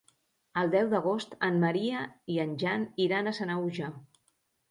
El deu d'agost en Maria i en Jan iran a Sanaüja.